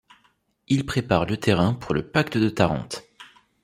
Ils préparent le terrain pour le pacte de Tarente.